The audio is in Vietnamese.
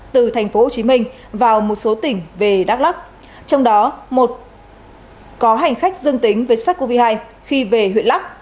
từ tp hcm vào một số tỉnh về đắk lắk trong đó một có hành khách dương tính với sars cov hai khi về huyện lắk